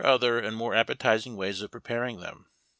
117 other and more appetizing ways of preparing them.